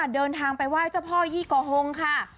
เดินทางไปไหว้เจ้าพ่อยี่กอฮงค่ะ